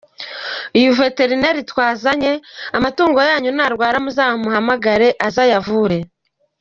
Uyu Veterineri twazanye, amatungo yanyu narwara muzamuhamagare aze ayavure.”